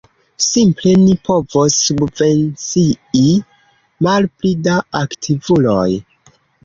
Simple ni povos subvencii malpli da aktivuloj.